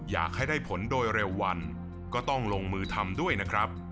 อยากให้ได้ผลโดยเร็ววันก็ต้องลงมือทำด้วยนะครับ